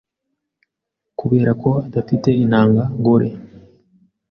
kubera ko adafite intanga ngore